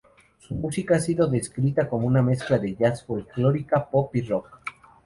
Su música ha sido descrita como una mezcla de jazz, folclórica, pop y rock.